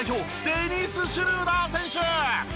デニス・シュルーダー選手。